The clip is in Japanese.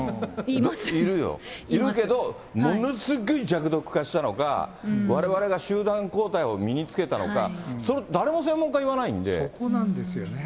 いるよ、いるけど、ものすごい弱毒化したのか、われわれが集団抗体を身につけたのか、それ、そこなんですよね。